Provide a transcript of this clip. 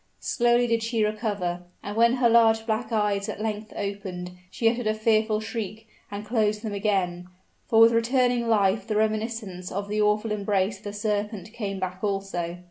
Slowly did she recover; and when her large black eyes at length opened, she uttered a fearful shriek, and closed them again for with returning life the reminiscence of the awful embrace of the serpent came back also.